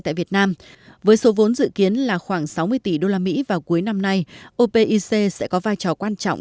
tại việt nam với số vốn dự kiến là khoảng sáu mươi tỷ đô la mỹ vào cuối năm nay opic sẽ có vai trò quan trọng